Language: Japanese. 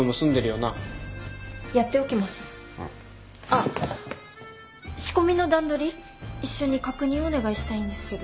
あっ仕込みの段取り一緒に確認をお願いしたいんですけど。